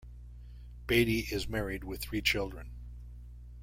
Beattie is married with three children.